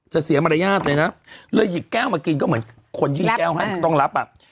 เสียมารยาทเลยนะเลยหยิบแก้วมากินก็เหมือนคนยิ่งแก้วให้ต้องรับอ่ะ